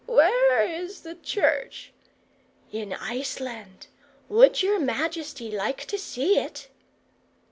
"Where is the church?" "In Iceland. Would your majesty like to see it?"